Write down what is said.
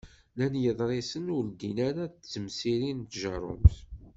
Llan yeḍrisen ur ddin ara d temsirin n tjerrumt.